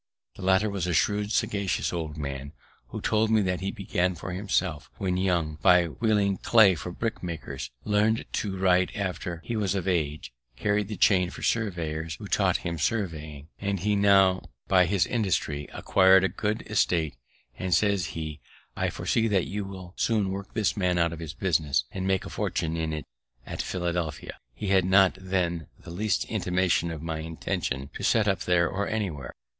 The latter was a shrewd, sagacious old man, who told me that he began for himself, when young, by wheeling clay for brick makers, learned to write after he was of age, carri'd the chain for surveyors, who taught him surveying, and he had now by his industry, acquir'd a good estate; and says he, "I foresee that you will soon work this man out of his business, and make a fortune in it at Philadelphia." He had not then the least intimation of my intention to set up there or anywhere.